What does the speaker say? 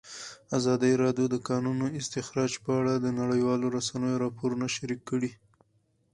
ازادي راډیو د د کانونو استخراج په اړه د نړیوالو رسنیو راپورونه شریک کړي.